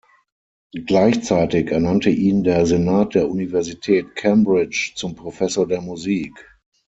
Gleichzeitig ernannte ihn der Senat der Universität Cambridge zum Professor der Musik.